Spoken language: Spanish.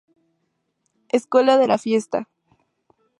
Escuela de la fiesta.